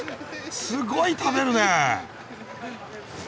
すごい食べるね。